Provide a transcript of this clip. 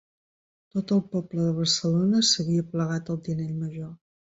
Tot el poble de Barcelona s'havia aplegat al tinell major.